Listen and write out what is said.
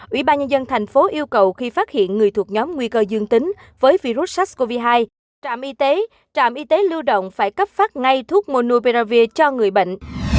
ubnd tp yêu cầu khi phát hiện người thuộc nhóm nguy cơ dương tính với virus sars cov hai trạm y tế trạm y tế lưu động phải cấp phát ngay thuốc monopiravir cho người bệnh